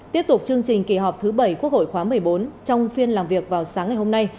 tiếp tục chương trình kỳ họp thứ bảy quốc hội khóa một mươi bốn trong phiên làm việc vào sáng ngày hôm nay